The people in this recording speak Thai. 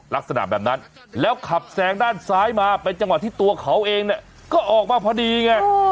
ลักษณะแบบนั้นแล้วขับแซงด้านซ้ายมาเป็นจังหวะที่ตัวเขาเองเนี่ยก็ออกมาพอดีไง